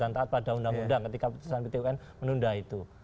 dan taat pada undang undang ketika putusan pt wn menunda itu